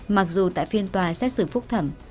mặc dù tại phiên tòa xét xử phúc thẩm